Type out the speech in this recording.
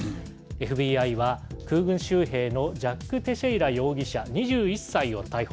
ＦＢＩは、空軍州兵のジャック・テシェイラ容疑者２１歳を逮捕。